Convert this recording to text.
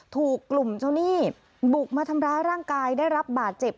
ถูกกลุ่มเจ้าหนี้บุกมาทำร้ายร่างกายได้รับบาดเจ็บ